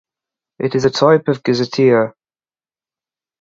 It is a type of gazetteer.